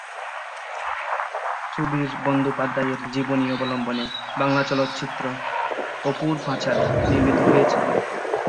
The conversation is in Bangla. সুবীর বন্দ্যোপাধ্যায়ের জীবনী অবলম্বনে বাংলা চলচ্চিত্র "অপুর পাঁচালী" নির্মিত হয়েছে।